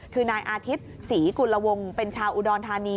คือนายอาทิตย์ศรีกุลวงเป็นชาวอุดรธานี